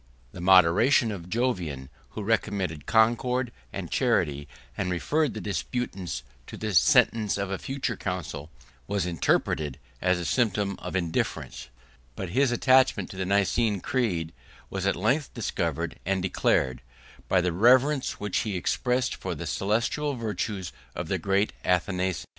3 The moderation of Jovian, who recommended concord and charity, and referred the disputants to the sentence of a future council, was interpreted as a symptom of indifference: but his attachment to the Nicene creed was at length discovered and declared, by the reverence which he expressed for the celestial 4 virtues of the great Athanasius.